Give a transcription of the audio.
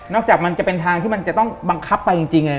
จากมันจะเป็นทางที่มันจะต้องบังคับไปจริง